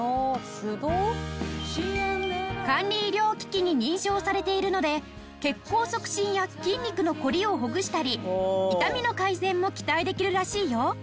管理医療機器に認証されているので血行促進や筋肉のコリをほぐしたり痛みの改善も期待できるらしいよ。